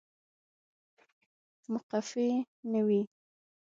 مقفي نه وي